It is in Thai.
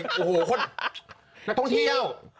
แล้วตรงเที่ยว